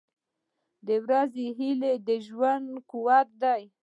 • د ورځې هیلې د ژوند قوت دی.